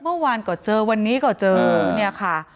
เมื่อวานก็เจอวันนี้ก็เจอเนี่ยค่ะ